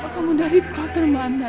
kamu dari perotor mana nak